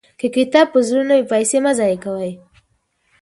که کتاب په زړه نه وي، پیسې مه ضایع کوئ.